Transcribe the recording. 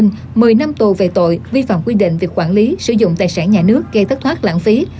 một mươi năm tù về tội vi phạm quy định về quản lý sử dụng tài sản nhà nước gây thất thoát lãng phí